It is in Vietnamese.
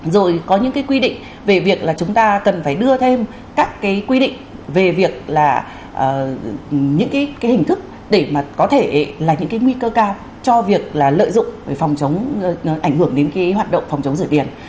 rồi có những cái quy định về việc là chúng ta cần phải đưa thêm các cái quy định về việc là những cái hình thức để mà có thể là những cái nguy cơ cao cho việc là lợi dụng về phòng chống ảnh hưởng đến cái hoạt động phòng chống rửa tiền